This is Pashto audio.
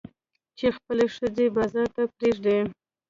چې خپلې ښځې بازار ته پرېږدي.